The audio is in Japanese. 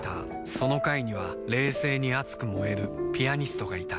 その階には冷静に熱く燃えるピアニストがいた